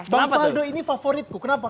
bang faldo ini favoritku kenapa